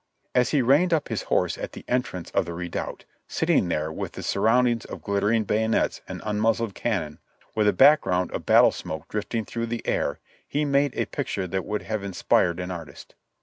As he reined up his horse at the entrance of the redoubt, sitting there with the surroundings of glittering bayonets and unmuzzled cannon with a back ground of battle smoke drifting through the air, he made a picture that would have inspired an artist.